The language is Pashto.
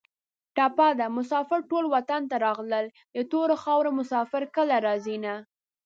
ټپه ده: مسافر ټول وطن ته راغلل د تورو خارو مسافر کله راځینه